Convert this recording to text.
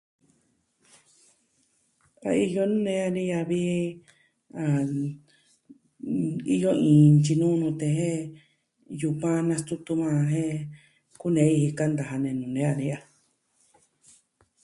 A iyo nuu nee dani a vi Iyo iin nutyi nuu nute jen yukuan nastutu a jen kunee iin kanta ja nenu nee dani a.